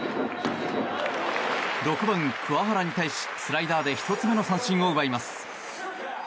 ６番桑原に対し、スライダーで１つ目の三振を奪います。